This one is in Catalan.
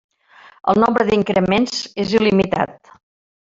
El nombre d'increments és il·limitat.